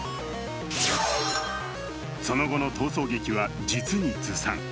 その後の逃走劇は実にずさん。